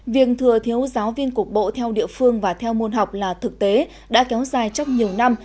việc thừa thiếu giáo viên cục bộ theo địa phương và theo môn học là thực tế đã kéo dài trong nhiều năm